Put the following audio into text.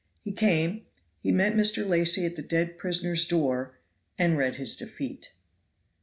He came, he met Mr. Lacy at the dead prisoner's door, and read his defeat.